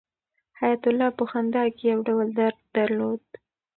حیات الله په خندا کې یو ډول درد درلود.